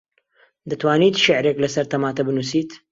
دەتوانیت شیعرێک لەسەر تەماتە بنووسیت؟